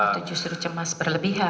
itu justru cemas berlebihan